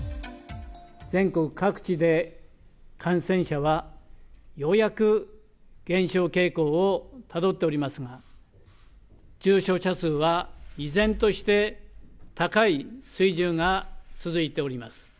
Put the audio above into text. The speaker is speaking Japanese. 全国各地で、感染者はようやく減少傾向をたどっておりますが、重症者数は依然として高い水準が続いております。